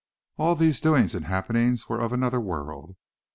All these doings and happenings were of another world.